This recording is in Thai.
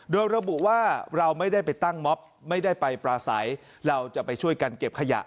โดยระบุว่าเราไม่ได้ไปตั้งม็อบไม่ได้ไปปลาใสเราจะไปช่วยกันเก็บขยะ